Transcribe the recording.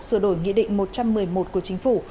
sửa đổi nghị định một trăm một mươi một của chính phủ